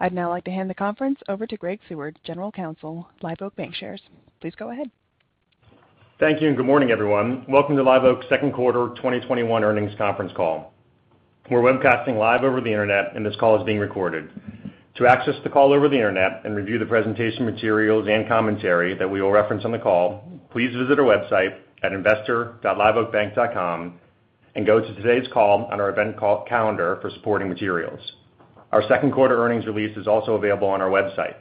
I'd now like to hand the conference over to Greg Seward, General Counsel, Live Oak Bancshares. Please go ahead. Thank you, good morning, everyone. Welcome to Live Oak's second quarter 2021 earnings conference call. We're webcasting live over the internet, and this call is being recorded. To access the call over the internet and review the presentation materials and commentary that we will reference on the call, please visit our website at investor.liveoakbank.com and go to today's call on our event call calendar for supporting materials. Our second quarter earnings release is also available on our website.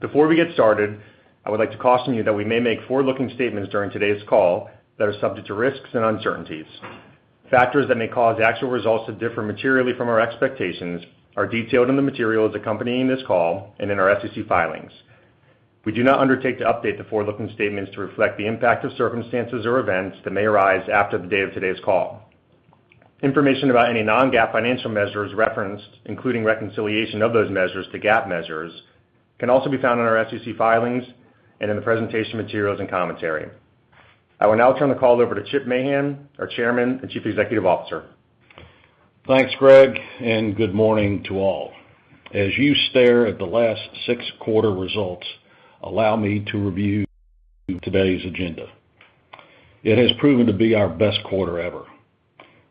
Before we get started, I would like to caution you that we may make forward-looking statements during today's call that are subject to risks and uncertainties. Factors that may cause actual results to differ materially from our expectations are detailed in the materials accompanying this call and in our SEC filings. We do not undertake to update the forward-looking statements to reflect the impact of circumstances or events that may arise after the day of today's call. Information about any non-GAAP financial measures referenced, including reconciliation of those measures to GAAP measures, can also be found on our SEC filings and in the presentation materials and commentary. I will now turn the call over to Chip Mahan, our Chairman and Chief Executive Officer. Thanks, Greg, good morning to all. As you stare at the last six quarter results, allow me to review today's agenda. It has proven to be our best quarter ever,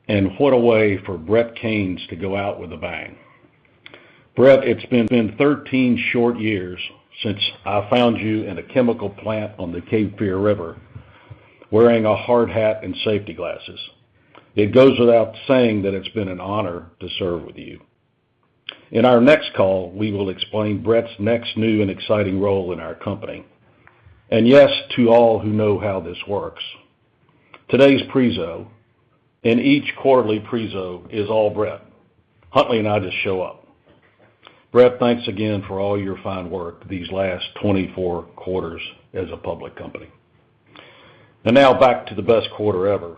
and what a way for Brett Caines to go out with a bang. Brett, it's been 13 short years since I found you in a chemical plant on the Cape Fear River wearing a hard hat and safety glasses. It goes without saying that it's been an honor to serve with you. In our next call, we will explain Brett's next new and exciting role in our company. Yes, to all who know how this works, today's prezo and each quarterly prezo is all Brett. Huntley and I just show up. Brett, thanks again for all your fine work these last 24 quarters as a public company. Now back to the best quarter ever.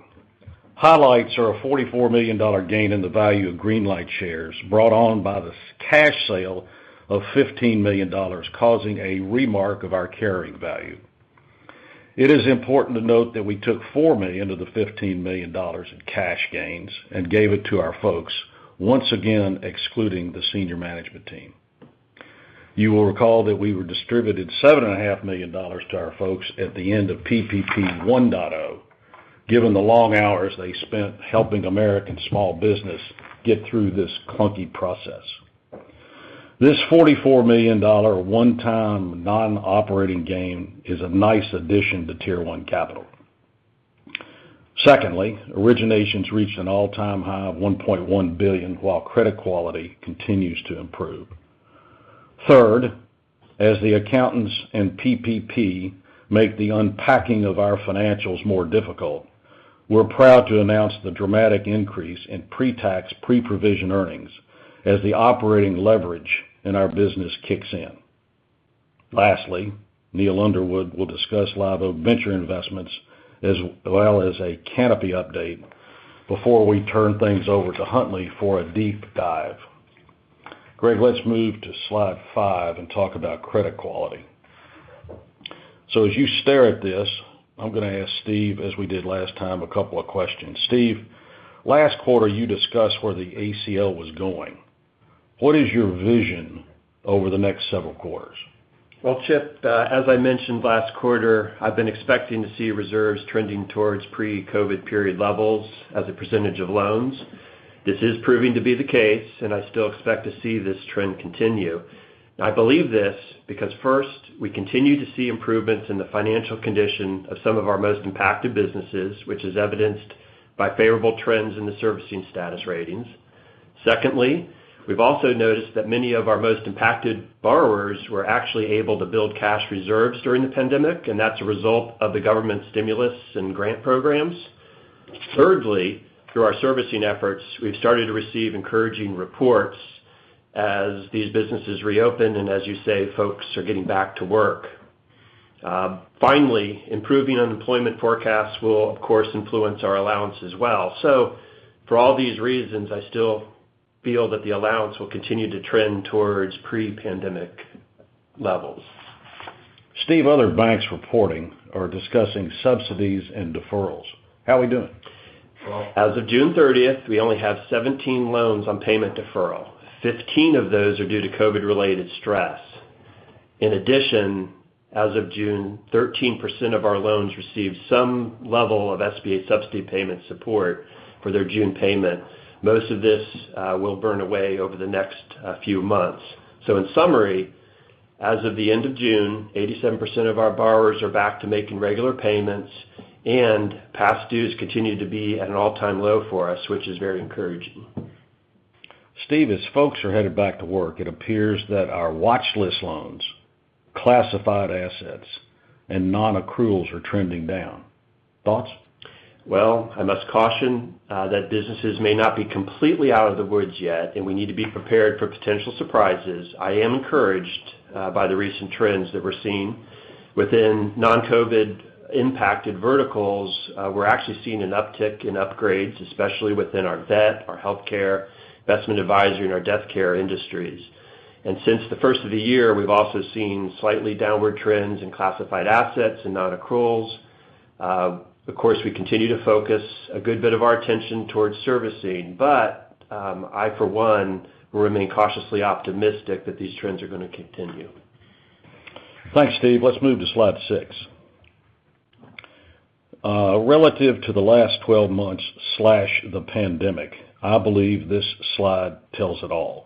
Highlights are a $44 million gain in the value of Greenlight shares brought on by the cash sale of $15 million, causing a remark of our carrying value. It is important to note that we took $4 million of the $15 million in cash gains and gave it to our folks, once again, excluding the senior management team. You will recall that we distributed $7.5 million to our folks at the end of PPP 1.0, given the long hours they spent helping American small business get through this clunky process. This $44 million one-time non-operating gain is a nice addition to Tier 1 capital. Secondly, originations reached an all-time high of $1.1 billion, while credit quality continues to improve. Third, as the accountants and PPP make the unpacking of our financials more difficult, we're proud to announce the dramatic increase in pre-tax, pre-provision earnings as the operating leverage in our business kicks in. Neil Underwood will discuss Live Oak Ventures investments as well as a Canopy update before we turn things over to Huntley for a deep dive. Greg, let's move to slide five and talk about credit quality. As you stare at this, I'm going to ask Steve, as we did last time, a couple of questions. Steve, last quarter you discussed where the ACL was going. What is your vision over the next several quarters? Well, Chip, as I mentioned last quarter, I've been expecting to see reserves trending towards pre-COVID period levels as a percentage of loans. This is proving to be the case, and I still expect to see this trend continue. I believe this because first, we continue to see improvements in the financial condition of some of our most impacted businesses, which is evidenced by favorable trends in the servicing status ratings. Secondly, we've also noticed that many of our most impacted borrowers were actually able to build cash reserves during the pandemic, and that's a result of the government stimulus and grant programs. Thirdly, through our servicing efforts, we've started to receive encouraging reports as these businesses reopen and, as you say, folks are getting back to work. Finally, improving unemployment forecasts will, of course, influence our allowance as well. For all these reasons, I still feel that the allowance will continue to trend towards pre-pandemic levels. Steve, other banks reporting are discussing subsidies and deferrals. How are we doing? As of June 30th, we only have 17 loans on payment deferral. 15 of those are due to COVID-related stress. In addition, as of June, 13% of our loans received some level of SBA subsidy payment support for their June payment. Most of this will burn away over the next few months. In summary, as of the end of June, 87% of our borrowers are back to making regular payments and past dues continue to be at an all-time low for us, which is very encouraging. Steve, as folks are headed back to work, it appears that our watchlist loans, classified assets, and non-accruals are trending down. Thoughts? Well, I must caution that businesses may not be completely out of the woods yet, and we need to be prepared for potential surprises. I am encouraged by the recent trends that we're seeing within non-COVID-impacted verticals. We're actually seeing an uptick in upgrades, especially within our vet, our healthcare, investment advisory, and our death care industries. Since the first of the year, we've also seen slightly downward trends in classified assets and non-accruals. Of course, we continue to focus a good bit of our attention towards servicing. I, for one, remain cautiously optimistic that these trends are going to continue. Thanks, Steve. Let's move to slide six. Relative to the last 12 months/the pandemic, I believe this slide tells it all.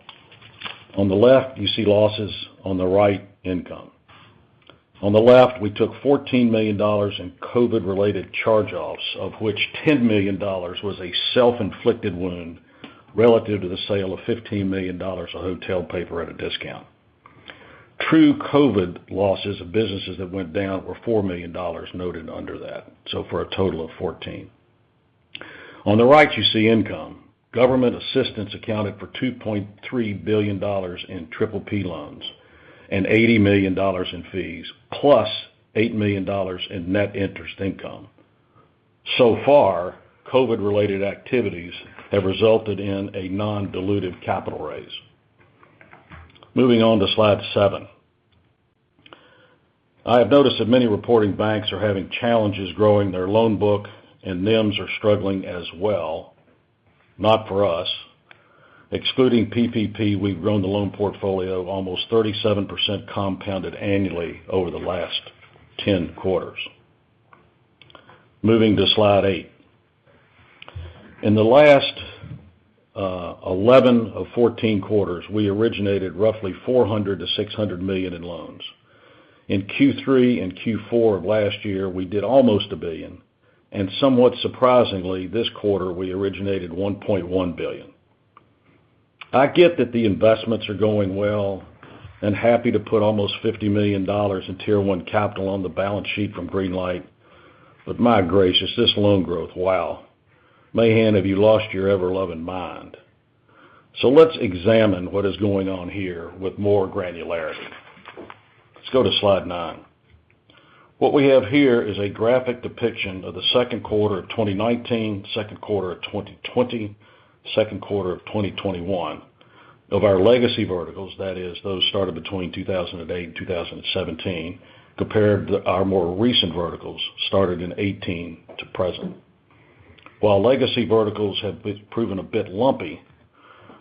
On the left, you see losses. On the right, income. On the left, we took $14 million in COVID-related charge-offs, of which $10 million was a self-inflicted wound relative to the sale of $15 million of hotel paper at a discount. Through COVID losses of businesses that went down were $4 million noted under that, so for a total of $14. On the right, you see income. Government assistance accounted for $2.3 billion in PPP loans and $80 million in fees + $8 million in net interest income. So far, COVID-related activities have resulted in a non-dilutive capital raise. Moving on to slide seven. I have noticed that many reporting banks are having challenges growing their loan book and NIMs are struggling as well. Not for us. Excluding PPP, we've grown the loan portfolio of almost 37% compounded annually over the last 10 quarters. Moving to slide eight. In the last, 11 of 14 quarters, we originated roughly $400 million-$600 million in loans. In Q3 and Q4 of last year, we did almost $1 billion, and somewhat surprisingly, this quarter we originated $1.1 billion. I get that the investments are going well, and happy to put almost $50 million in Tier 1 capital on the balance sheet from Greenlight. My gracious, this loan growth, wow. Mahan, have you lost your ever-loving mind? Let's examine what is going on here with more granularity. Let's go to slide nine. What we have here is a graphic depiction of the second quarter of 2019, second quarter of 2020, second quarter of 2021 of our legacy verticals, that is, those started between 2008 and 2017, compared to our more recent verticals started in 2018 to present. While legacy verticals have proven a bit lumpy,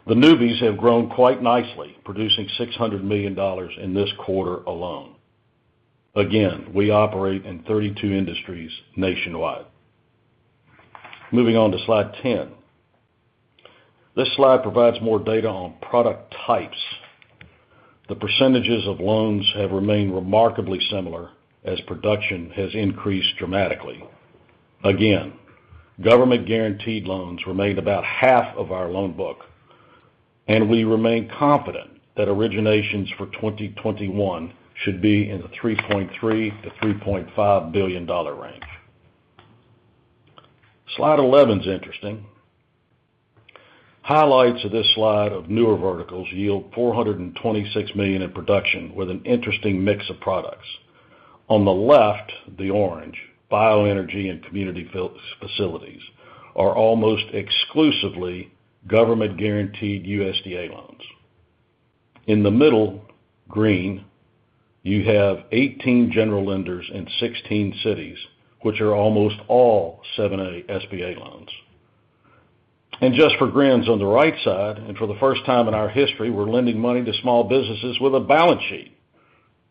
the newbies have grown quite nicely, producing $600 million in this quarter alone. We operate in 32 industries nationwide. Moving on to slide 10. This slide provides more data on product types. The percentages of loans have remained remarkably similar as production has increased dramatically. Government-guaranteed loans remained about half of our loan book, and we remain confident that originations for 2021 should be in the $3.3 billion-$3.5 billion range. Slide 11 is interesting. Highlights of this slide of newer verticals yield $426 million in production with an interesting mix of products. On the left, the orange, bioenergy and community facilities, are almost exclusively government-guaranteed USDA loans. In the middle, green, you have 18 general lenders in 16 cities, which are almost all 7a SBA loans. Just for grins, on the right side, and for the first time in our history, we're lending money to small businesses with a balance sheet,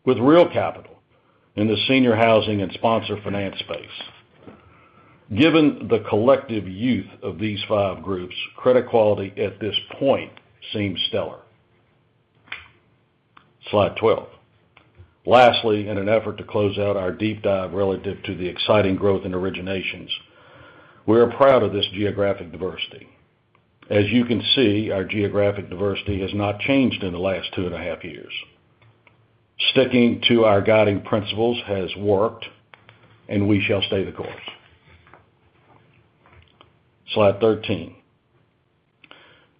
with real capital in the senior housing and sponsor finance space. Given the collective youth of these five groups, credit quality at this point seems stellar. Slide 12. Lastly, in an effort to close out our deep dive relative to the exciting growth in originations, we are proud of this geographic diversity. As you can see, our geographic diversity has not changed in the last two and a half years. Sticking to our guiding principles has worked, and we shall stay the course. Slide 13.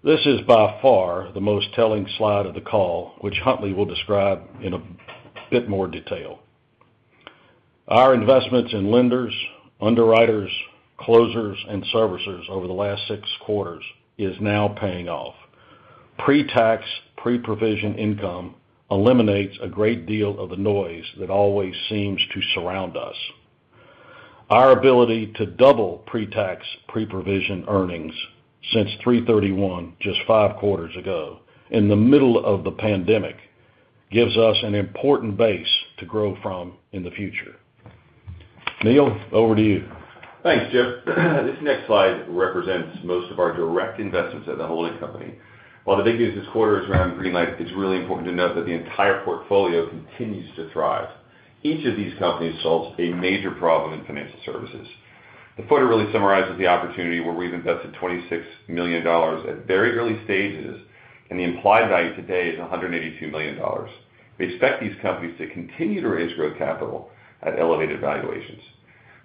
This is by far the most telling slide of the call, which Huntley will describe in a bit more detail. Our investments in lenders, underwriters, closers, and servicers over the last six quarters is now paying off. Pre-tax, pre-provision income eliminates a great deal of the noise that always seems to surround us. Our ability to double pre-tax, pre-provision earnings since March 31, just five quarters ago, in the middle of the pandemic, gives us an important base to grow from in the future. Neil, over to you. Thanks, Chip. This next slide represents most of our direct investments at the holding company. While the big news this quarter is around Greenlight, it's really important to note that the entire portfolio continues to thrive. Each of these companies solves a major problem in financial services. The footer really summarizes the opportunity where we've invested $26 million at very early stages, and the implied value today is $182 million. We expect these companies to continue to raise growth capital at elevated valuations.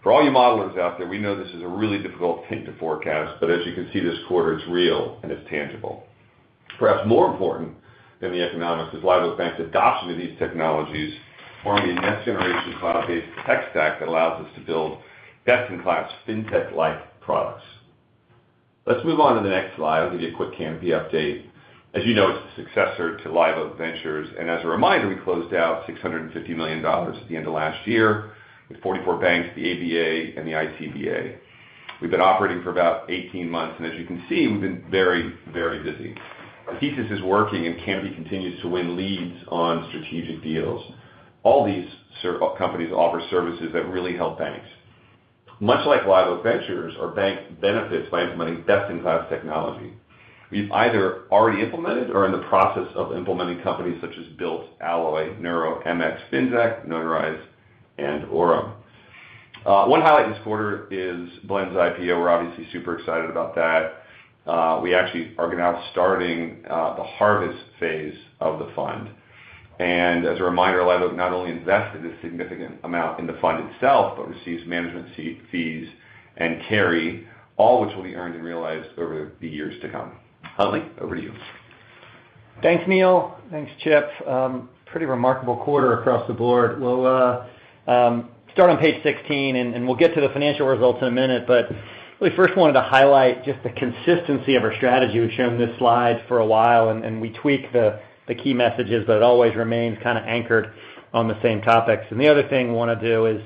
For all you modelers out there, we know this is a really difficult thing to forecast, but as you can see this quarter, it's real and it's tangible. Perhaps more important than the economics is Live Oak Bank's adoption of these technologies, forming a next-generation cloud-based tech stack that allows us to build best-in-class fintech-like products. Let's move on to the next slide. I'll give you a quick Canopy update. As you know, it's the successor to Live Oak Ventures. As a reminder, we closed out $650 million at the end of last year with 44 banks, the ABA, and the ICBA. We've been operating for about 18 months, and as you can see, we've been very, very busy. Our thesis is working, and Canopy continues to win leads on strategic deals. All these companies offer services that really help banks. Much like Live Oak Ventures, our bank benefits by implementing best-in-class technology. We've either already implemented or are in the process of implementing companies such as Built, Alloy, [Neuro,] MX, Finxact, Notarize, and Orum. One highlight this quarter is Blend's IPO. We're obviously super excited about that. We actually are now starting the harvest phase of the fund. As a reminder, Live Oak not only invested a significant amount in the fund itself, but receives management fees and carry, all which will be earned and realized over the years to come. Huntley, over to you. Thanks, Neil. Thanks, Chip. Pretty remarkable quarter across the board. We'll start on page 16. We'll get to the financial results in a minute. Really first wanted to highlight just the consistency of our strategy. We've shown this slide for a while. We tweaked the key messages. It always remains kind of anchored on the same topics. The other thing we want to do is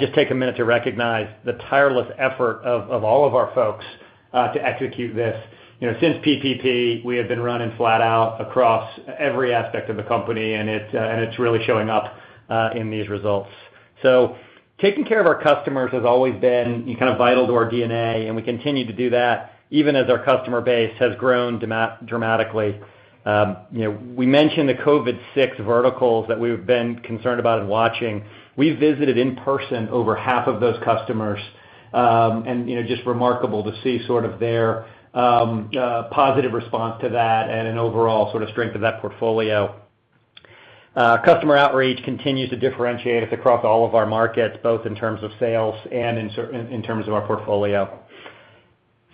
just take a minute to recognize the tireless effort of all of our folks to execute this. Since PPP, we have been running flat out across every aspect of the company. It's really showing up in these results. Taking care of our customers has always been kind of vital to our DNA. We continue to do that even as our customer base has grown dramatically. We mentioned the COVID six verticals that we've been concerned about and watching. We visited in person over half of those customers, and just remarkable to see sort of their positive response to that and an overall sort of strength of that portfolio. Customer outreach continues to differentiate us across all of our markets, both in terms of sales and in terms of our portfolio.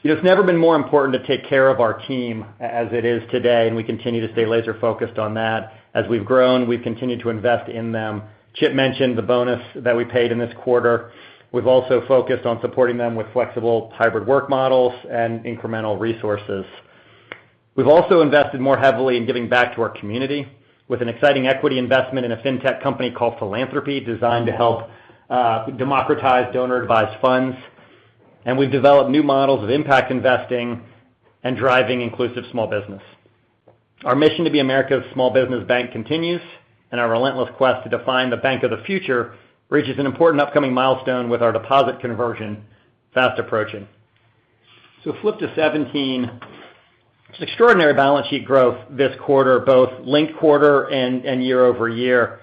It's never been more important to take care of our team as it is today. We continue to stay laser-focused on that. As we've grown, we've continued to invest in them. Chip mentioned the bonus that we paid in this quarter. We've also focused on supporting them with flexible hybrid work models and incremental resources. We've also invested more heavily in giving back to our community with an exciting equity investment in a fintech company called Philanthropi, designed to help democratize donor-advised funds. We've developed new models of impact investing and driving inclusive small business. Our mission to be America's small business bank continues, and our relentless quest to define the bank of the future reaches an important upcoming milestone with our deposit conversion fast approaching. Flip to 17. Extraordinary balance sheet growth this quarter, both linked-quarter and year-over-year.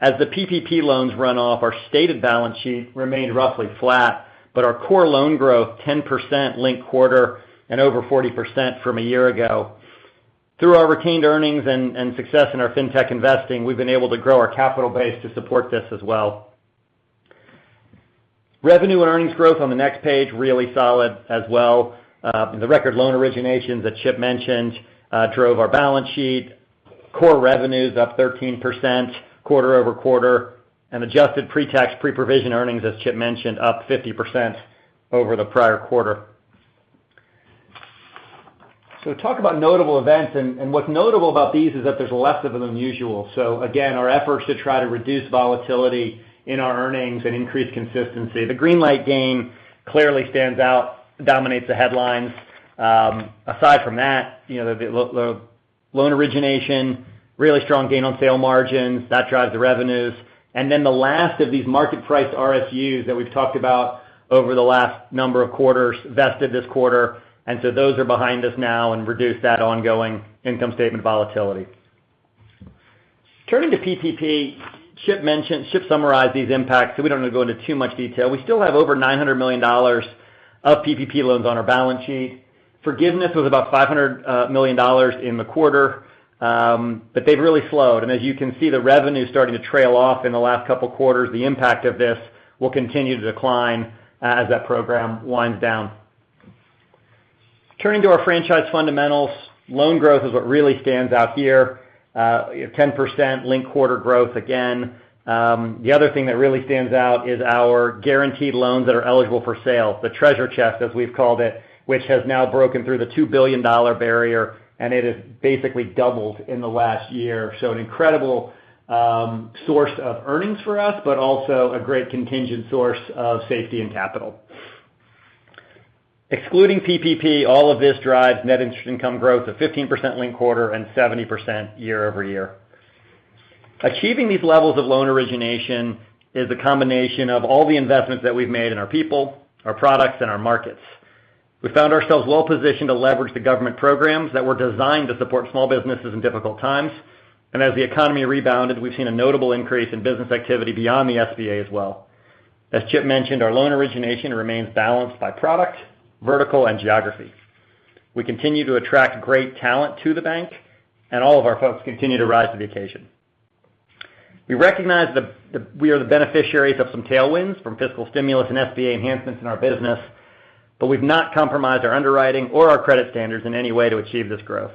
As the PPP loans run off, our stated balance sheet remained roughly flat, but our core loan growth 10% linked-quarter and over 40% from a year ago. Through our retained earnings and success in our fintech investing, we've been able to grow our capital base to support this as well. Revenue and earnings growth on the next page, really solid as well. The record loan originations that Chip mentioned drove our balance sheet. Core revenues up 13% quarter-over-quarter, and adjusted pre-tax, pre-provision earnings, as Chip mentioned, up 50% over the prior quarter. Talk about notable events, and what's notable about these is that there's less of them than usual. Again, our efforts to try to reduce volatility in our earnings and increase consistency. The Greenlight gain clearly stands out, dominates the headlines. Aside from that, the loan origination, really strong gain on sale margins, that drives the revenues. Then the last of these market price RSUs that we've talked about over the last number of quarters vested this quarter. Those are behind us now and reduce that ongoing income statement volatility. Turning to PPP, Chip summarized these impacts, so we don't need to go into too much detail. We still have over $900 million of PPP loans on our balance sheet. Forgiveness was about $500 million in the quarter, but they've really slowed. As you can see, the revenue's starting to trail off in the last couple quarters. The impact of this will continue to decline as that program winds down. Turning to our franchise fundamentals, loan growth is what really stands out here. 10% linked-quarter growth again. The other thing that really stands out is our guaranteed loans that are eligible for sale, the treasure chest, as we've called it, which has now broken through the $2 billion barrier, and it has basically doubled in the last year. An incredible source of earnings for us, but also a great contingent source of safety and capital. Excluding PPP, all of this drives net interest income growth of 15% linked-quarter and 70% year-over-year. Achieving these levels of loan origination is a combination of all the investments that we've made in our people, our products, and our markets. We found ourselves well-positioned to leverage the government programs that were designed to support small businesses in difficult times. As the economy rebounded, we've seen a notable increase in business activity beyond the SBA as well. As Chip mentioned, our loan origination remains balanced by product, vertical, and geography. We continue to attract great talent to the bank, and all of our folks continue to rise to the occasion. We recognize that we are the beneficiaries of some tailwinds from fiscal stimulus and SBA enhancements in our business, but we've not compromised our underwriting or our credit standards in any way to achieve this growth.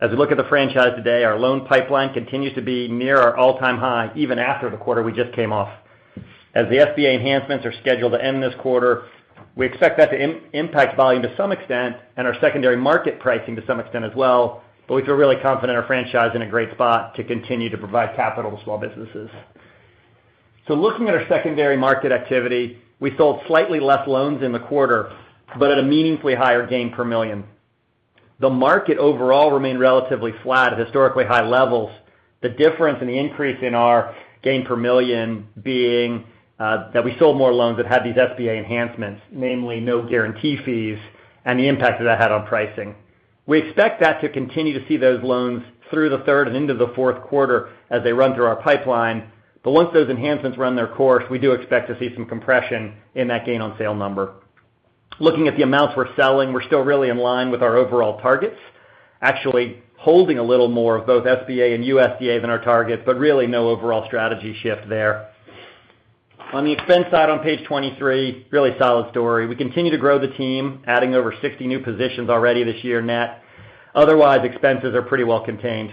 As we look at the franchise today, our loan pipeline continues to be near our all-time high, even after the quarter we just came off. As the SBA enhancements are scheduled to end this quarter, we expect that to impact volume to some extent and our secondary market pricing to some extent as well, but we feel really confident our franchise is in a great spot to continue to provide capital to small businesses. Looking at our secondary market activity, we sold slightly less loans in the quarter, but at a meaningfully higher gain per million. The market overall remained relatively flat at historically high levels. The difference in the increase in our gain per million being that we sold more loans that had these SBA enhancements, namely no guarantee fees, and the impact that that had on pricing. We expect that to continue to see those loans through the third and into the fourth quarter as they run through our pipeline. Once those enhancements run their course, we do expect to see some compression in that gain on sale number. Looking at the amounts we're selling, we're still really in line with our overall targets. Actually holding a little more of both SBA and USDA than our targets, but really no overall strategy shift there. On the expense side on page 23, really solid story. We continue to grow the team, adding over 60 new positions already this year net. Otherwise, expenses are pretty well contained.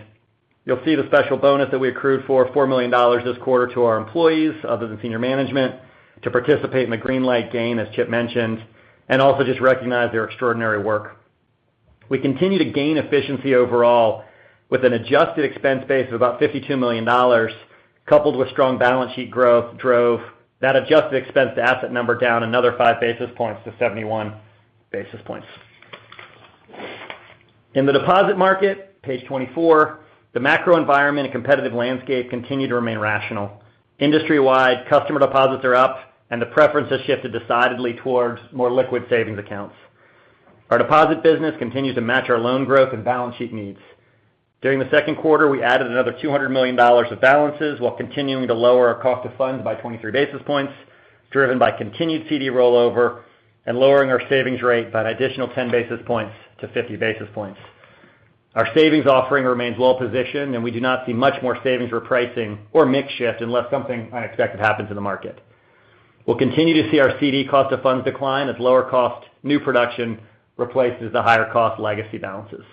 You'll see the special bonus that we accrued for $4 million this quarter to our employees, other than senior management, to participate in the Greenlight gain, as Chip mentioned, and also just recognize their extraordinary work. We continue to gain efficiency overall with an adjusted expense base of about $52 million, coupled with strong balance sheet growth drove that adjusted expense to asset number down another 5 basis points to 71 basis points. In the deposit market, page 24, the macro environment and competitive landscape continue to remain rational. Industry-wide, customer deposits are up, and the preference has shifted decidedly towards more liquid savings accounts. Our deposit business continues to match our loan growth and balance sheet needs. During the second quarter, we added another $200 million of balances while continuing to lower our cost of funds by 23 basis points, driven by continued CD rollover and lowering our savings rate by an additional 10 basis points to 50 basis points. Our savings offering remains well-positioned, we do not see much more savings repricing or mix shift unless something unexpected happens in the market. We'll continue to see our CD cost of funds decline as lower cost new production replaces the higher cost legacy balances.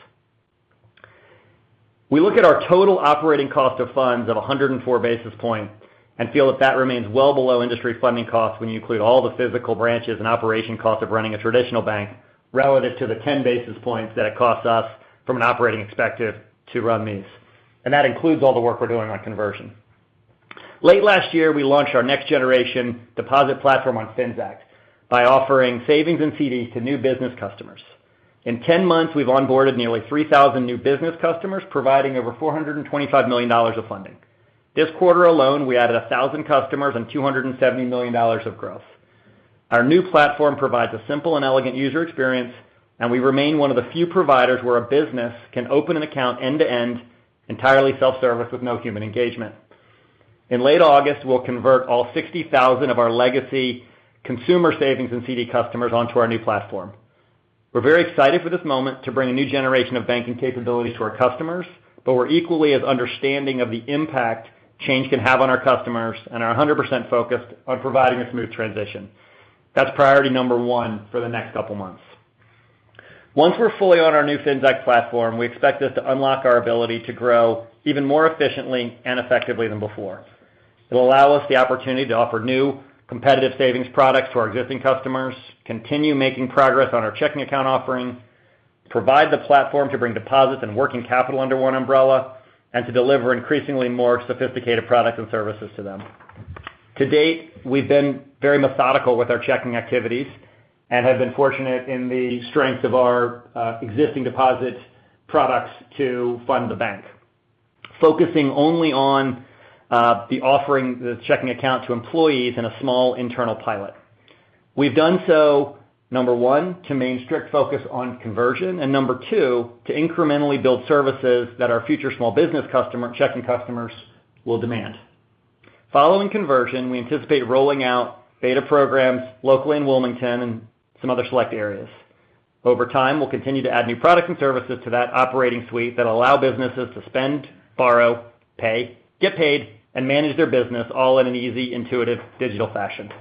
We look at our total operating cost of funds of 104 basis points and feel that that remains well below industry funding costs when you include all the physical branches and operation costs of running a traditional bank relative to the 10 basis points that it costs us from an operating perspective to run these. That includes all the work we're doing on conversion. Late last year, we launched our next-generation deposit platform on Finxact by offering savings and CDs to new business customers. In 10 months, we've onboarded nearly 3,000 new business customers, providing over $425 million of funding. This quarter alone, we added 1,000 customers and $270 million of growth. Our new platform provides a simple and elegant user experience, and we remain one of the few providers where a business can open an account end-to-end entirely self-service with no human engagement. In late August, we'll convert all 60,000 of our legacy consumer savings and CD customers onto our new platform. We're very excited for this moment to bring a new generation of banking capabilities to our customers, but we're equally as understanding of the impact change can have on our customers and are 100% focused on providing a smooth transition. That's priority number one for the next couple of months. Once we're fully on our new Finxact platform, we expect this to unlock our ability to grow even more efficiently and effectively than before. It'll allow us the opportunity to offer new competitive savings products to our existing customers, continue making progress on our checking account offering, provide the platform to bring deposits and working capital under one umbrella, and to deliver increasingly more sophisticated products and services to them. To date, we've been very methodical with our checking activities and have been fortunate in the strength of our existing deposit products to fund the bank. We've been focusing only on the offering the checking account to employees in a small internal pilot. We've done so, number one, to maintain strict focus on conversion, and number two, to incrementally build services that our future small business checking customers will demand. Following conversion, we anticipate rolling out beta programs locally in Wilmington and some other select areas. Over time, we'll continue to add new products and services to that operating suite that allow businesses to spend, borrow, pay, get paid, and manage their business all in an easy, intuitive digital fashion.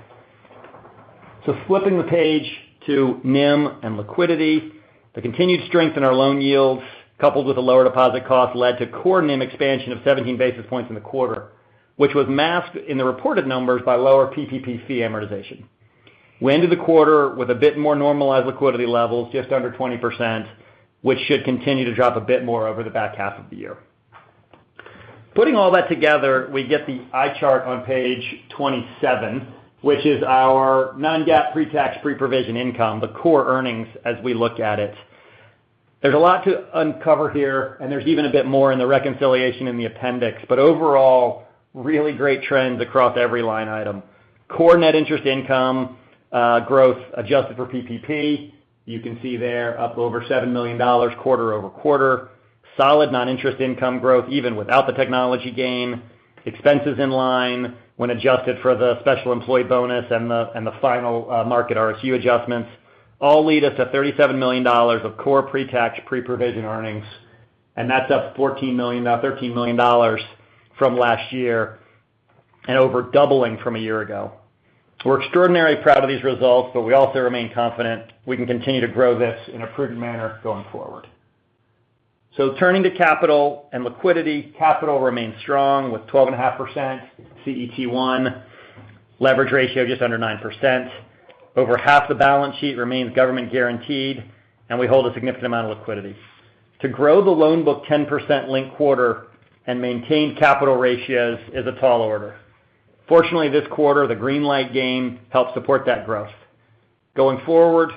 Flipping the page to NIM and liquidity, the continued strength in our loan yields, coupled with a lower deposit cost, led to core NIM expansion of 17 basis points in the quarter, which was masked in the reported numbers by lower PPP fee amortization. We ended the quarter with a bit more normalized liquidity levels, just under 20%, which should continue to drop a bit more over the back half of the year. Putting all that together, we get the eye chart on page 27, which is our non-GAAP pre-tax, pre-provision income, the core earnings as we look at it. There's a lot to uncover here, and there's even a bit more in the reconciliation in the appendix. Overall, really great trends across every line item. Core net interest income growth adjusted for PPP, you can see there up over $7 million quarter-over-quarter. Solid non-interest income growth even without the technology gain. Expenses in line when adjusted for the special employee bonus and the final market RSU adjustments all lead us to $37 million of core pre-tax, pre-provision earnings. That's up $14 million, $13 million from last year and over doubling from a year ago. We're extraordinarily proud of these results, but we also remain confident we can continue to grow this in a prudent manner going forward. Turning to capital and liquidity. Capital remains strong with 12.5% CET1. Leverage ratio just under 9%. Over half the balance sheet remains government guaranteed, and we hold a significant amount of liquidity. To grow the loan book 10% linked quarter and maintain capital ratios is a tall order. Fortunately, this quarter, the Greenlight gain helped support that growth. Going forward,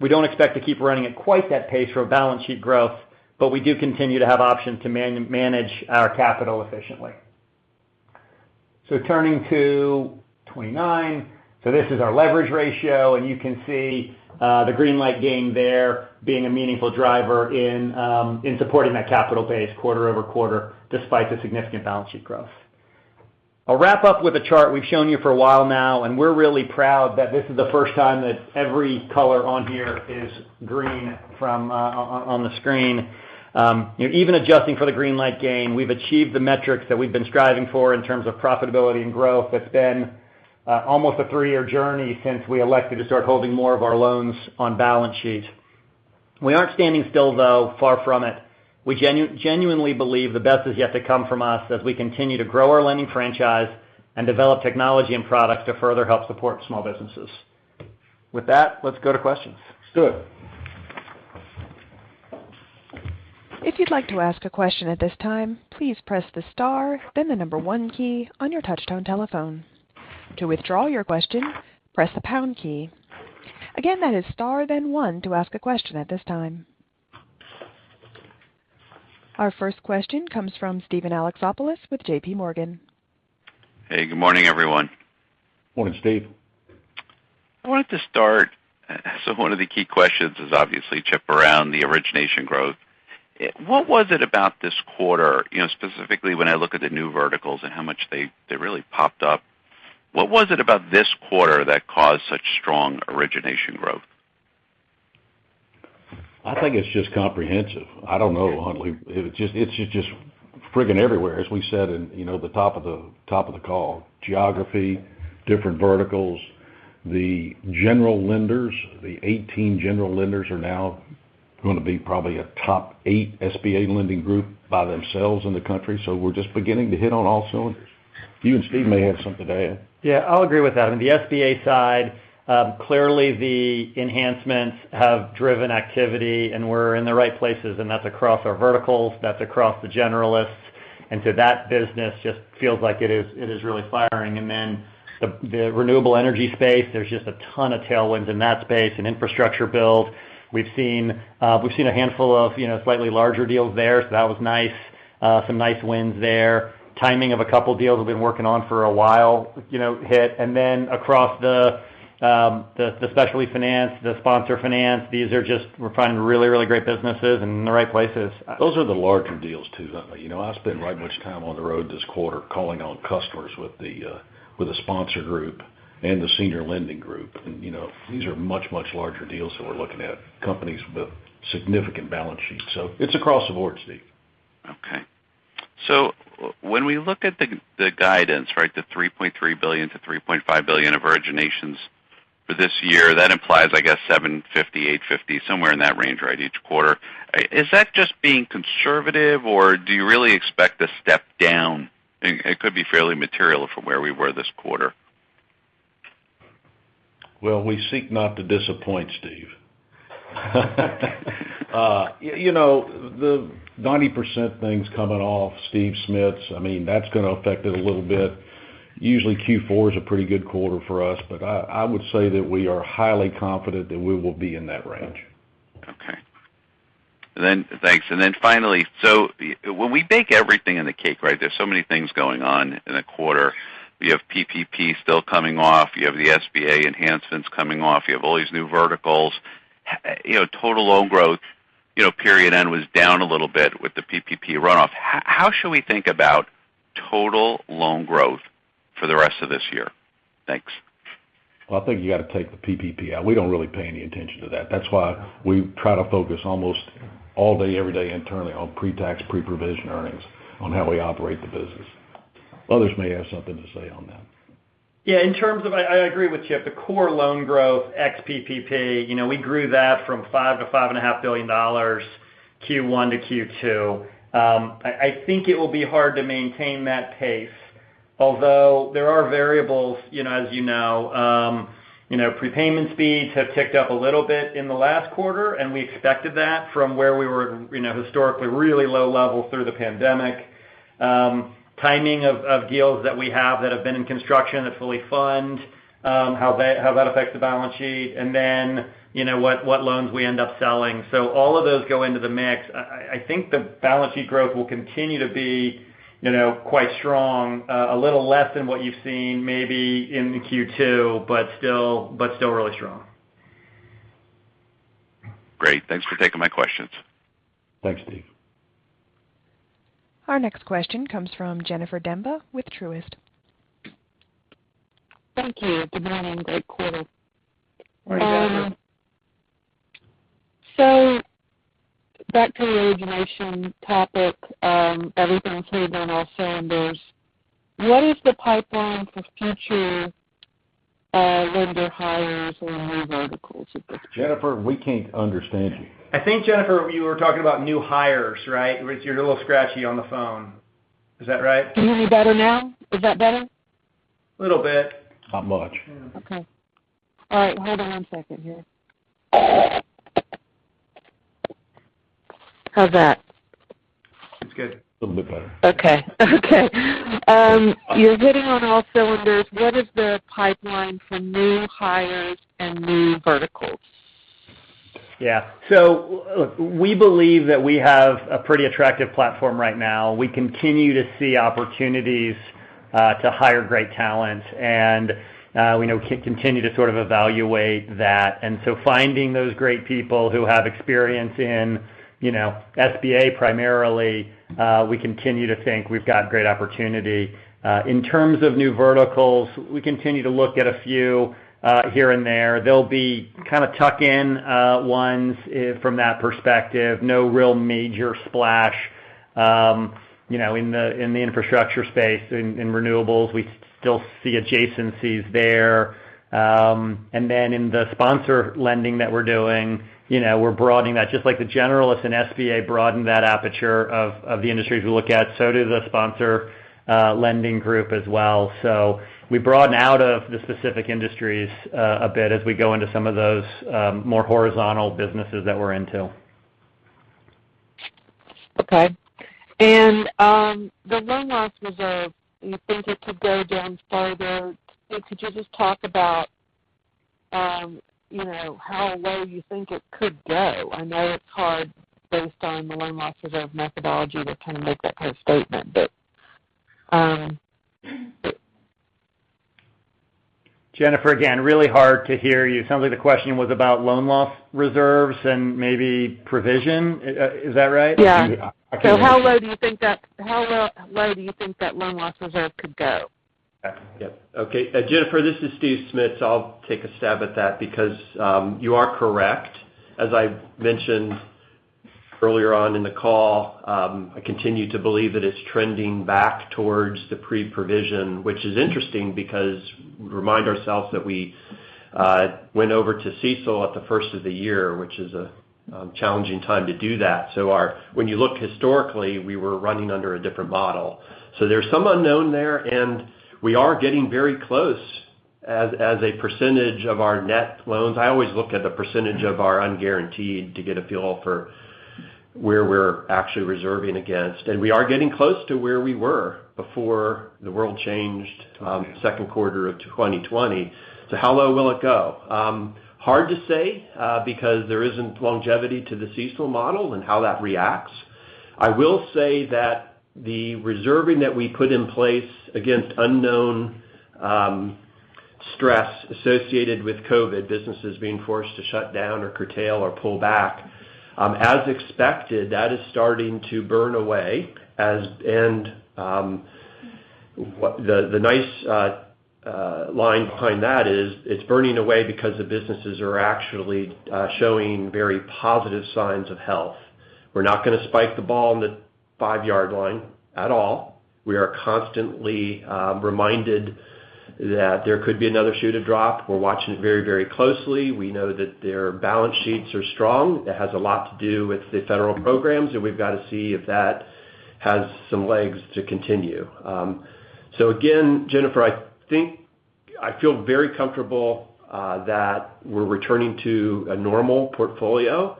we don't expect to keep running at quite that pace for our balance sheet growth, but we do continue to have options to manage our capital efficiently. Turning to 29. This is our leverage ratio, and you can see the Greenlight gain there being a meaningful driver in supporting that capital base quarter over quarter, despite the significant balance sheet growth. I'll wrap up with a chart we've shown you for a while now, and we're really proud that this is the first time that every color on here is green on the screen. Even adjusting for the Greenlight gain, we've achieved the metrics that we've been striving for in terms of profitability and growth. It's been almost a three-year journey since we elected to start holding more of our loans on balance sheet. We aren't standing still, though. Far from it. We genuinely believe the best is yet to come from us as we continue to grow our lending franchise and develop technology and products to further help support small businesses. With that, let's go to questions. Let's do it. Our first question comes from Steven Alexopoulos with JPMorgan. Hey, good morning, everyone. Morning, Steve. I wanted to start, one of the key questions is obviously, Chip, around the origination growth. What was it about this quarter, specifically when I look at the new verticals and how much they really popped up? What was it about this quarter that caused such strong origination growth? I think it's just comprehensive. I don't know, Huntley. It's just freaking everywhere, as we said in the top of the call. Geography, different verticals, the general lenders, the 18 general lenders are now going to be probably a Top 8 SBA lending group by themselves in the country. We're just beginning to hit on all cylinders. You and Steve may have something to add. Yeah, I'll agree with that. On the SBA side, clearly the enhancements have driven activity, and we're in the right places, and that's across our verticals, that's across the generalists. That business just feels like it is really firing. The renewable energy space, there's just a ton of tailwinds in that space, and infrastructure build. We've seen a handful of slightly larger deals there, so that was nice. Some nice wins there. Timing of a couple deals we've been working on for a while hit. Across the specialty finance, the sponsor finance, these are just we're finding really great businesses and in the right places. Those are the larger deals, too. I spent right much time on the road this quarter calling on customers with a sponsor group and the senior lending group. These are much larger deals that we're looking at, companies with significant balance sheets. It's across the board, Steve. Okay. When we look at the guidance, the $3.3 billion to $3.5 billion of originations for this year, that implies, I guess, $750 million, $850 million, somewhere in that range each quarter. Is that just being conservative, or do you really expect a step down? It could be fairly material from where we were this quarter. Well, we seek not to disappoint, Steve. The 90% things coming off Steve Smits's, that's going to affect it a little bit. Usually Q4 is a pretty good quarter for us, but I would say that we are highly confident that we will be in that range. Okay. Thanks. When we bake everything in the cake, there's so many things going on in a quarter. You have PPP still coming off. You have the SBA enhancements coming off. You have all these new verticals. Total loan growth, period end was down a little bit with the PPP runoff. How should we think about total loan growth for the rest of this year? Thanks. Well, I think you got to take the PPP out. We don't really pay any attention to that. That's why we try to focus almost all day, every day internally on pre-tax, pre-provision earnings on how we operate the business. Others may have something to say on that. Yeah, I agree with Chip. The core loan growth ex-PPP, we grew that from $5 billion to $5.5 billion Q1 to Q2. I think it will be hard to maintain that pace, although there are variables, as you know. Prepayment speeds have ticked up a little bit in the last quarter. We expected that from where we were historically really low levels through the pandemic. Timing of deals that we have that have been in construction that fully fund, how that affects the balance sheet, what loans we end up selling, all of those go into the mix. I think the balance sheet growth will continue to be quite strong, a little less than what you've seen maybe in Q2 but still really strong. Great. Thanks for taking my questions. Thanks, Steve. Our next question comes from Jennifer Demba with Truist. Thank you. Good morning. Great quarter. Morning, Jennifer. Back to the origination topic, everything's hitting on all cylinders. What is the pipeline for future lender hires and new verticals at this point? Jennifer, we can't understand you. I think, Jennifer, you were talking about new hires, right? You're a little scratchy on the phone. Is that right? Can you hear me better now? Is that better? Little bit. Not much. Okay. All right. Hold on one second here. How's that? It's good. Little bit better. Okay. You're hitting on all cylinders. What is the pipeline for new hires and new verticals? Yeah. Look, we believe that we have a pretty attractive platform right now. We continue to see opportunities to hire great talent, and we continue to sort of evaluate that. Finding those great people who have experience in SBA primarily, we continue to think we've got great opportunity. In terms of new verticals, we continue to look at a few here and there. They'll be kind of tuck-in ones from that perspective. No real major splash in the infrastructure space. In renewables, we still see adjacencies there. In the sponsor lending that we're doing, we're broadening that. Just like the generalist in SBA broadened that aperture of the industries we look at, so does the sponsor lending group as well. We broaden out of the specific industries a bit as we go into some of those more horizontal businesses that we're into. Okay. The loan loss reserve, you think it could go down further? Could you just talk about how low you think it could go? I know it's hard based on the loan loss reserve methodology to kind of make that kind of statement. Jennifer, again, really hard to hear you. It sounds like the question was about loan loss reserves and maybe provision. Is that right? Yeah. I can't hear you. How low do you think that loan loss reserve could go? Okay. Jennifer, this is Steve Smits. I'll take a stab at that because you are correct. As I mentioned earlier on in the call, I continue to believe that it's trending back towards the pre-provision, which is interesting because remind ourselves that we went over to CECL at the 1st of the year, which is a challenging time to do that. When you look historically, we were running under a different model. There's some unknown there, and we are getting very close as a percentage of our net loans. I always look at the percentage of our unguaranteed to get a feel for where we're actually reserving against, and we are getting close to where we were before the world changed secondnd quarter of 2020. How low will it go? Hard to say because there isn't longevity to the CECL model and how that reacts. I will say that the reserving that we put in place against unknown stress associated with COVID, businesses being forced to shut down or curtail or pull back, as expected, that is starting to burn away. The nice line behind that is it's burning away because the businesses are actually showing very positive signs of health. We're not going to spike the ball in the five-yard line at all. We are constantly reminded that there could be another shoe to drop. We're watching it very closely. We know that their balance sheets are strong. That has a lot to do with the federal programs, and we've got to see if that has some legs to continue. Again, Jennifer, I feel very comfortable that we're returning to a normal portfolio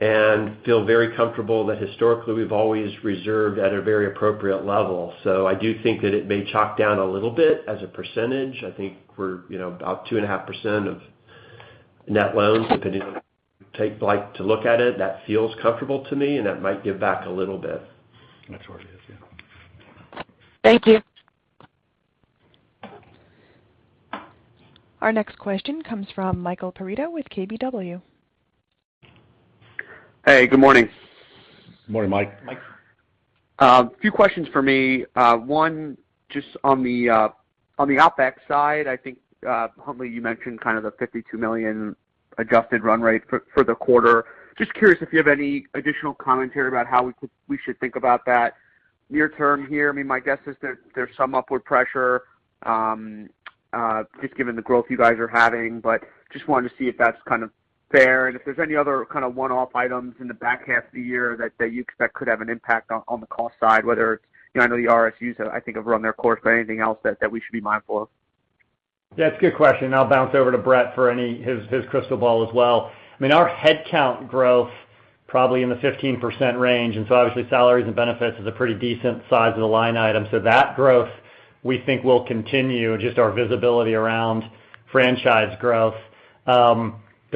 and feel very comfortable that historically we've always reserved at a very appropriate level. I do think that it may chop down a little bit as a percentage. I think we're about 2.5% of net loans, depending on like to look at it. That feels comfortable to me, that might give back a little bit. That's where it is, yeah. Thank you. Our next question comes from Michael Perito with KBW. Hey, good morning. Morning, Mike. Mike. Few questions for me. One, just on the OpEx side, I think, Huntley, you mentioned kind of the $52 million adjusted run rate for the quarter. Just curious if you have any additional commentary about how we should think about that near term here. My guess is that there's some upward pressure, just given the growth you guys are having. Just wanted to see if that's kind of fair, and if there's any other kind of one-off items in the back half of the year that you expect could have an impact on the cost side. I know the RSUs, I think, have run their course, but anything else that we should be mindful of? That's a good question, and I'll bounce over to Brett Caines for his crystal ball as well. Our headcount growth probably in the 15% range, and so obviously, salaries and benefits is a pretty decent size of the line item. That growth, we think will continue, just our visibility around franchise growth.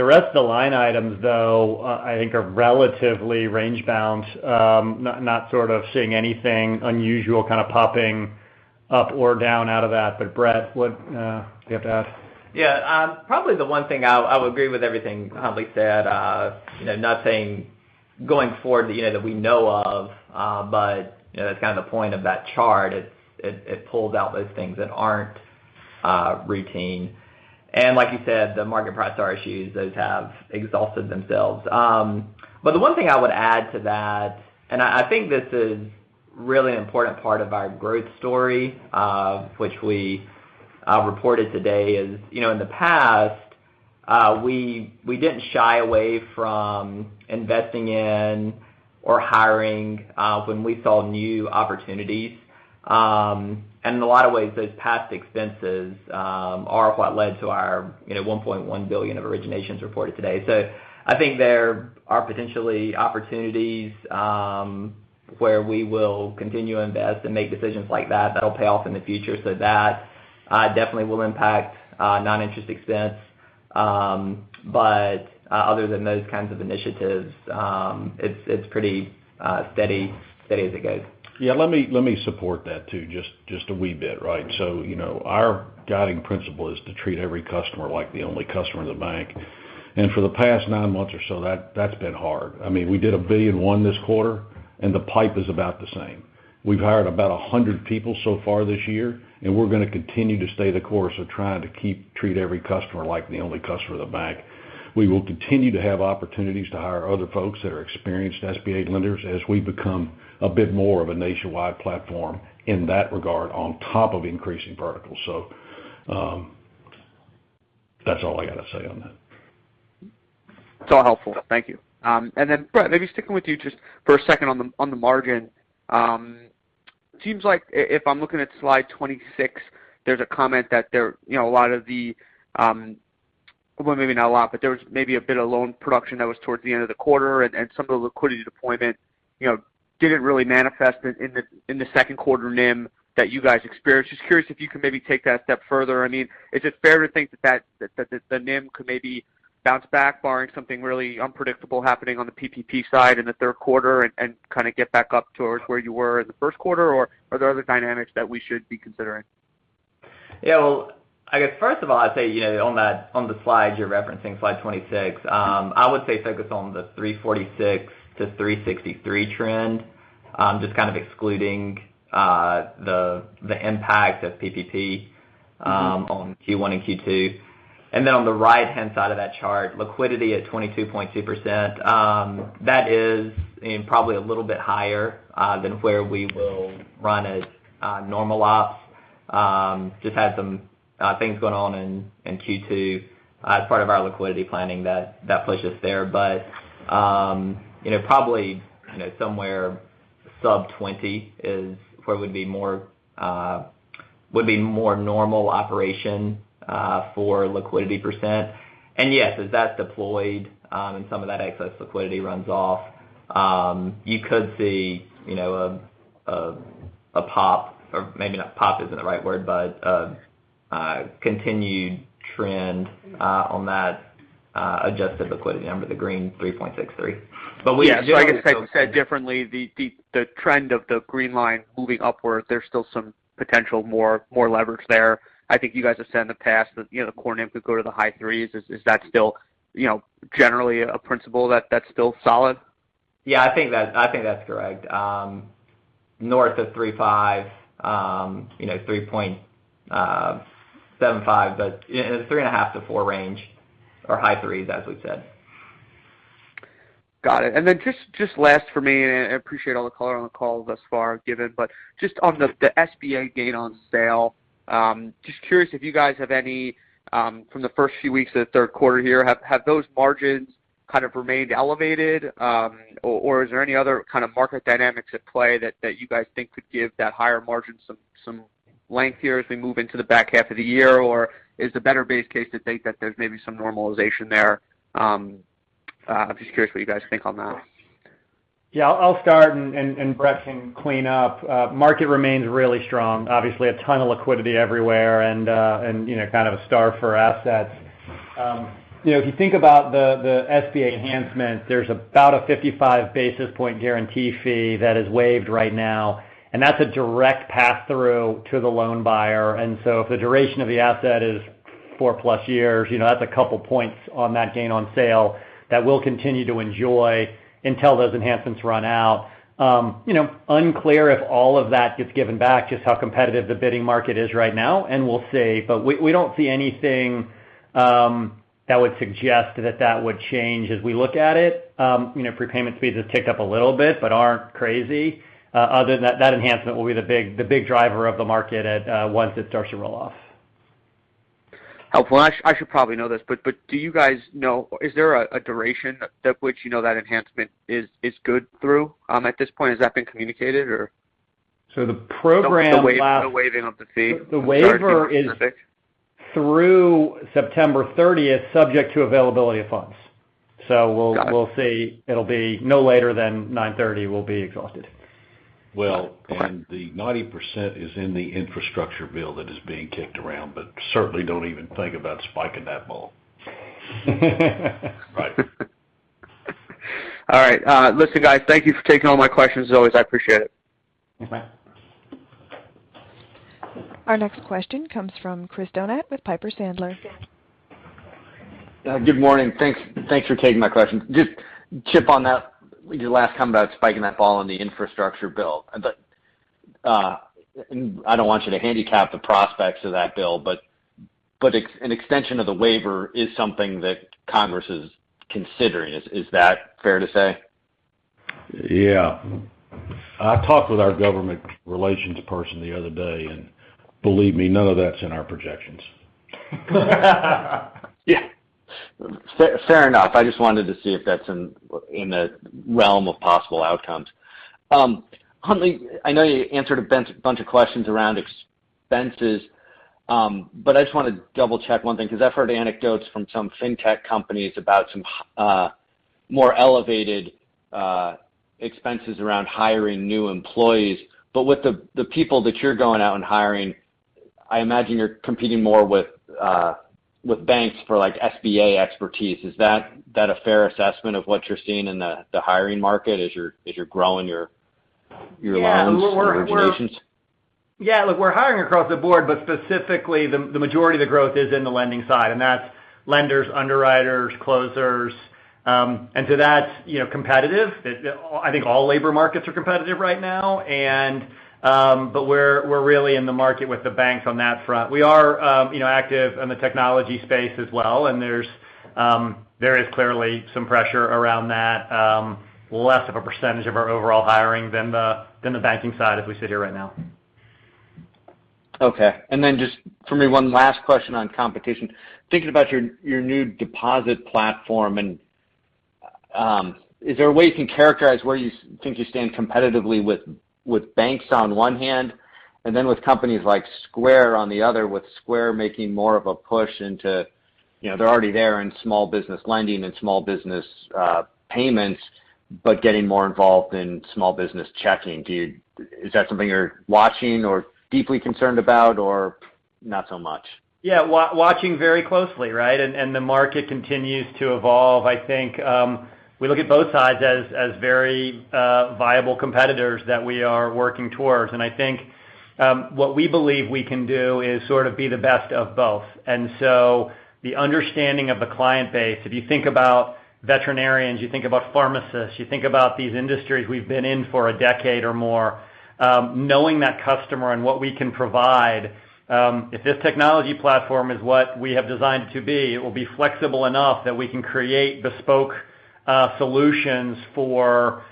The rest of the line items, though, I think are relatively range-bound. Not sort of seeing anything unusual kind of popping Up or down out of that. Brett, what do you have to add? Yeah. Probably the one thing, I would agree with everything Huntley said. Nothing going forward that we know of. That's kind of the point of that chart. It pulls out those things that aren't routine. Like you said, the market price RSU issues, those have exhausted themselves. The one thing I would add to that, and I think this is really an important part of our growth story, which we reported today, is in the past, we didn't shy away from investing in or hiring when we saw new opportunities. In a lot of ways, those past expenses are what led to our $1.1 billion of originations reported today. I think there are potentially opportunities where we will continue to invest and make decisions like that'll pay off in the future. That definitely will impact non-interest expense. Other than those kinds of initiatives, it's pretty steady as it goes. Yeah. Let me support that too, just a wee bit, right? Our guiding principle is to treat every customer like the only customer in the bank. For the past nine months or so, that's been hard. We did $1.1 billion this quarter, and the pipe is about the same. We've hired about 100 people so far this year, and we're going to continue to stay the course of trying to treat every customer like the only customer in the bank. We will continue to have opportunities to hire other folks that are experienced SBA lenders as we become a bit more of a nationwide platform in that regard, on top of increasing verticals. That's all I got to say on that. It's all helpful. Thank you. Then Brett, maybe sticking with you just for a second on the margin. It seems like if I'm looking at slide 26, there's a comment that there was maybe a bit of loan production that was towards the end of the quarter, and some of the liquidity deployment didn't really manifest in the second quarter NIM that you guys experienced. Just curious if you can maybe take that a step further. Is it fair to think that the NIM could maybe bounce back barring something really unpredictable happening on the PPP side in the third quarter and kind of get back up towards where you were in the first quarter, or are there other dynamics that we should be considering? Yeah. Well, I guess first of all, I'd say on the slide you're referencing, slide 26, I would say focus on the 3.46-3.63 trend, just kind of excluding the impact of PPP on Q1 and Q2. On the right-hand side of that chart, liquidity at 22.2%. That is probably a little bit higher than where we will run as normal ops. Just had some things going on in Q2 as part of our liquidity planning that pushed us there. Probably somewhere sub 20 is where would be more normal operation for liquidity %. Yes, as that's deployed, and some of that excess liquidity runs off, you could see a pop, or maybe pop isn't the right word, but a continued trend on that adjusted liquidity number, the green 3.63. Yeah. I guess said differently, the trend of the green line moving upward, there's still some potential more leverage there. I think you guys have said in the past that the core NIM could go to the high threes. Is that still generally a principle that's still solid? Yeah, I think that's correct. North of 3.5, 3.75, but in the 3.5-4 range, or high 3s, as we said. Got it. Just last for me, and I appreciate all the color on the call thus far given, but just on the SBA gain on sale. Just curious if you guys have any from the first few weeks of the third quarter here, have those margins kind of remained elevated? Is there any other kind of market dynamics at play that you guys think could give that higher margin some length here as we move into the back half of the year? Is the better base case to think that there's maybe some normalization there? I'm just curious what you guys think on that. I'll start and Brett can clean up. Market remains really strong. Obviously, a ton of liquidity everywhere and kind of a start for assets. If you think about the SBA enhancement, there's about a 55 basis point guarantee fee that is waived right now, and that's a direct pass-through to the loan buyer. If the duration of the asset is four-plus years, that's a couple points on that gain on sale that we'll continue to enjoy until those enhancements run out. Unclear if all of that gets given back, just how competitive the bidding market is right now. We'll see. We don't see anything that would suggest that that would change as we look at it. Prepayment speeds have ticked up a little bit but aren't crazy. Other than that enhancement will be the big driver of the market once it starts to roll off. Helpful. I should probably know this, do you guys know, is there a duration at which you know that enhancement is good through at this point? Has that been communicated or? So the program- The waiving of the fee. I'm sorry if you already said The waiver is through September 30th, subject to availability of funds. Got it. We'll see. It'll be no later than September 30 will be exhausted. Well, the 90% is in the infrastructure bill that is being kicked around. Certainly don't even think about spiking that ball. Right. All right. Listen, guys, thank you for taking all my questions. As always, I appreciate it. You bet. Our next question comes from Chris Donat with Piper Sandler. Good morning. Thanks for taking my question. Just Chip on that your last comment about spiking that ball on the infrastructure bill. I don't want you to handicap the prospects of that bill, but an extension of the waiver is something that Congress is considering. Is that fair to say? Yeah. I talked with our government relations person the other day, and believe me, none of that's in our projections. Yeah. Fair enough. I just wanted to see if that's in the realm of possible outcomes. Huntley, I know you answered a bunch of questions around expenses. I just want to double-check one thing because I've heard anecdotes from some fintech companies about some more elevated expenses around hiring new employees. With the people that you're going out and hiring, I imagine you're competing more with banks for SBA expertise. Is that a fair assessment of what you're seeing in the hiring market as you're growing your loans and your origination? Yeah. Look, we're hiring across the board, but specifically, the majority of the growth is in the lending side, and that's lenders, underwriters, closers. To that, competitive. I think all labor markets are competitive right now. We're really in the market with the banks on that front. We are active in the technology space as well, and there is clearly some pressure around that. Less of a percentage of our overall hiring than the banking side as we sit here right now. Okay. Just for me, one last question on competition. Thinking about your new deposit platform, is there a way you can characterize where you think you stand competitively with banks on one hand, and then with companies like Square on the other, with Square making more of a push into-- they're already there in small business lending and small business payments, but getting more involved in small business checking. Is that something you're watching or deeply concerned about, or not so much? Yeah. Watching very closely, right? The market continues to evolve. I think we look at both sides as very viable competitors that we are working towards. I think what we believe we can do is sort of be the best of both. The understanding of the client base, if you think about veterinarians, you think about pharmacists, you think about these industries we've been in for a decade or more. Knowing that customer and what we can provide. If this technology platform is what we have designed it to be, it will be flexible enough that we can create bespoke solutions for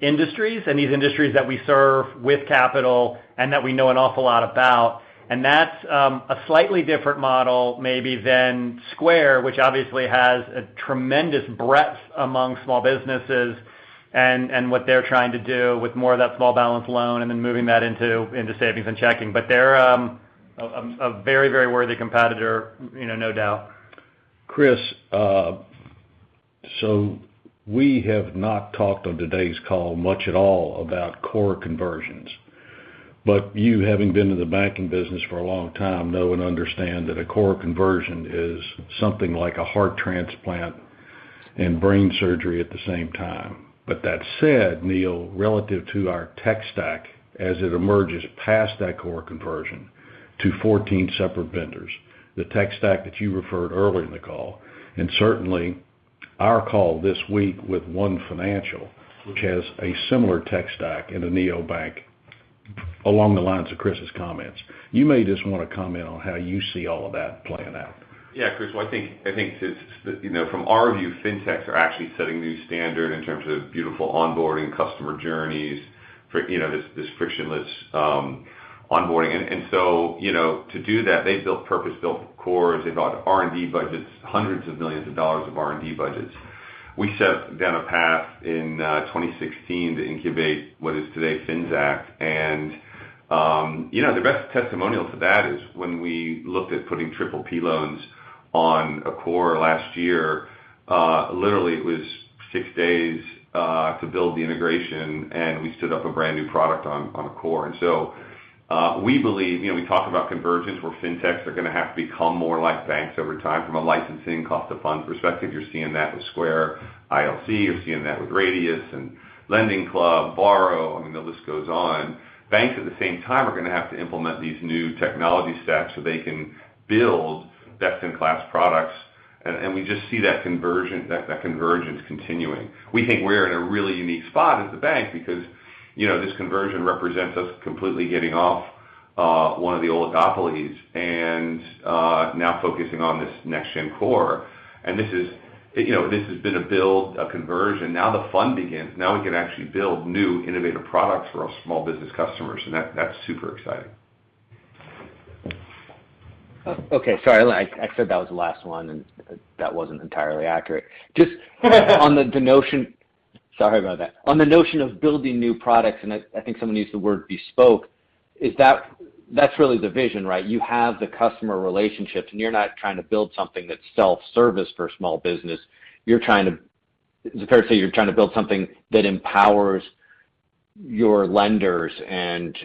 industries and these industries that we serve with capital and that we know an awful lot about. That's a slightly different model, maybe, than Square, which obviously has a tremendous breadth among small businesses and what they're trying to do with more of that small balance loan and then moving that into savings and checking. They're a very worthy competitor, no doubt. Chris, we have not talked on today's call much at all about core conversions. You, having been in the banking business for a long time, know and understand that a core conversion is something like a heart transplant and brain surgery at the same time. That said, Neil, relative to our tech stack as it emerges past that core conversion to 14 separate vendors, the tech stack that you referred earlier in the call. Certainly our call this week with One Finance, which has a similar tech stack in a neobank along the lines of Chris's comments. You may just want to comment on how you see all of that playing out. Yeah, Chris. Well, I think from our view, fintechs are actually setting new standard in terms of beautiful onboarding customer journeys for this frictionless onboarding. To do that, they built purpose-built cores. They've got R&D budgets, hundreds of millions of dollars of R&D budgets. We set down a path in 2016 to incubate what is today Finxact. The best testimonial to that is when we looked at putting PPP loans on a core last year. Literally, it was six days to build the integration, and we stood up a brand-new product on a core. So we believe, we talk about convergence, where fintechs are going to have to become more like banks over time from a licensing cost of funds perspective. You're seeing that with Square, ILC. You're seeing that with Radius and LendingClub, Varo. I mean, the list goes on. Banks, at the same time, are going to have to implement these new technology stacks so they can build best-in-class products. We just see that convergence continuing. We think we're in a really unique spot as a bank because this conversion represents us completely getting off one of the oligopolies and now focusing on this next-gen core. This has been a build, a conversion. Now the fun begins. Now we can actually build new innovative products for our small business customers. That's super exciting. Okay. Sorry, I said that was the last one, and that wasn't entirely accurate. Just on the notion of building new products, and I think someone used the word bespoke, that's really the vision, right? You have the customer relationships, and you're not trying to build something that's self-service for small business. Is it fair to say you're trying to build something that empowers your lenders and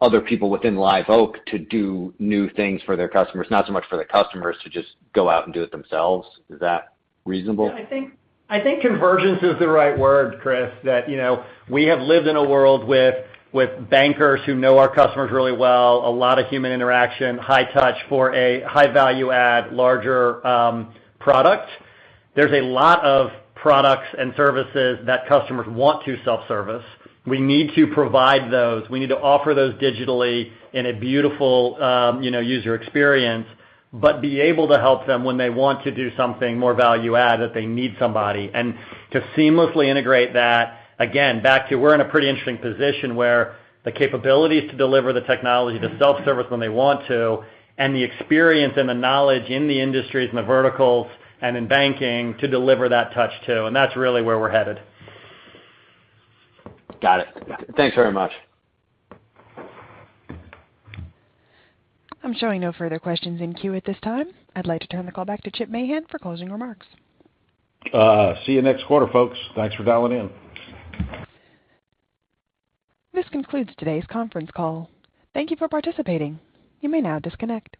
other people within Live Oak to do new things for their customers, not so much for the customers to just go out and do it themselves? Is that reasonable? I think convergence is the right word, Chris. We have lived in a world with bankers who know our customers really well, a lot of human interaction, high touch for a high value add, larger product. There's a lot of products and services that customers want to self-service. We need to provide those. We need to offer those digitally in a beautiful user experience, but be able to help them when they want to do something more value add that they need somebody. To seamlessly integrate that, again, back to we're in a pretty interesting position where the capabilities to deliver the technology to self-service when they want to, and the experience and the knowledge in the industries and the verticals and in banking to deliver that touch too. That's really where we're headed. Got it. Thanks very much. I'm showing no further questions in queue at this time. I'd like to turn the call back to Chip Mahan for closing remarks. See you next quarter, folks. Thanks for dialing in. This concludes today's conference call. Thank you for participating. You may now disconnect.